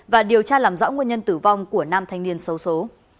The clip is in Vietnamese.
và điều tra làm rõ nguyên nhân tử vong của năm thanh niên sâu số